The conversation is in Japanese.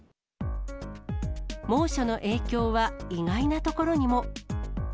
猛暑の影響は意外なところにも。